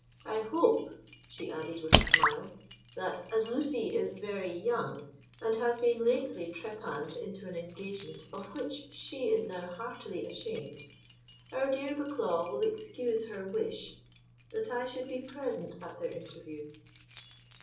I hope," she added with a smile, "that as Lucy is very young, and has been lately trepanned into an engagement of which she is now heartily ashamed, our dear Bucklaw will excuse her wish that I should be present at their interview?"